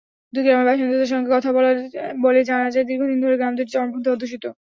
দুই গ্রামের বাসিন্দাদের সঙ্গে কথা বলে জানা যায়, দীর্ঘদিন ধরে গ্রাম দুটি চরমপন্থী–অধ্যুষিত।